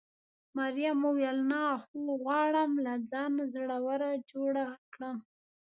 مريم وویل: نه، خو غواړم له ځانه زړوره جوړه کړم.